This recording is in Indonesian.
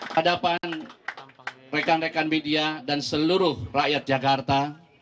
pada depan rekan rekan media dan seluruh rakyat jakarta